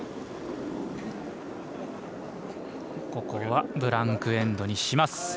ここはブランク・エンドにします。